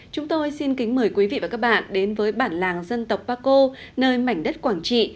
chúng tôi xin kính mời quý vị và các bạn đến với bản làng dân tộc paco nơi mảnh đất quảng trị